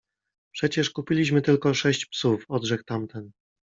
- Przecież kupiliśmy tylko sześć psów - odrzekł tamten.